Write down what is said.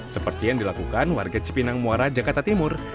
seperti yang dilakukan warga cipinang muara jakarta timur